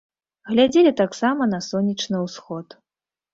Глядзелі таксама на сонечны ўсход.